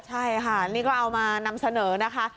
ใช่ค่ะนี่ก็เอามานำเสนอนะคะ